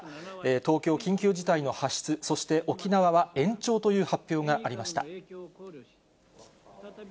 東京、緊急事態の発出、そして沖縄は延長という発表がありました。